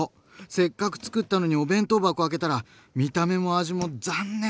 せっかくつくったのにお弁当箱開けたら見た目も味も残念！